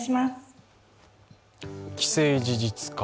既成事実化